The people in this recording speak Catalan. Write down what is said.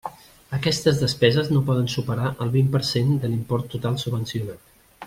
Aquestes despeses no poden superar el vint per cent de l'import total subvencionat.